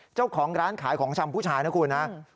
เจ้าของร้านขายของชำผู้ชายนะคุณนะ